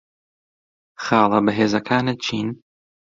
خاڵە بەهێزەکانت چین؟